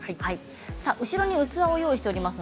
後ろに器を用意しています。